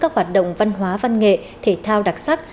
các hoạt động văn hóa văn nghệ thể thao đặc sắc